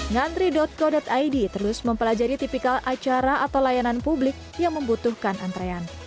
ngantri co id terus mempelajari tipikal acara atau layanan publik yang membutuhkan antrean